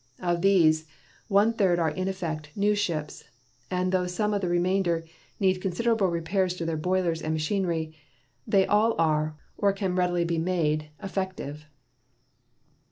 Of these, one third are in effect new ships, and though some of the remainder need considerable repairs to their boilers and machinery, they all are, or can readily be made, effective.